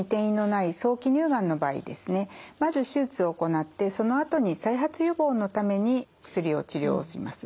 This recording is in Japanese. まず手術を行ってそのあとに再発予防のために薬で治療します。